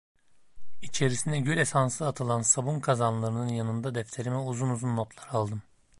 İçerisine gül esansı atılan sabun kazanlarının yanında defterime uzun uzun notlar aldım.